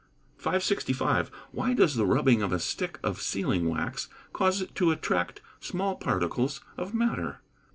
"] 565. _Why does the rubbing of a stick of sealing wax cause it to attract small particles of matter?